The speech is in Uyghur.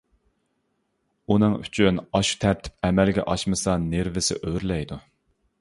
ئۇنىڭ ئۈچۈن ئاشۇ تەرتىپ ئەمەلگە ئاشمىسا نېرۋىسى ئۆرلەيدۇ.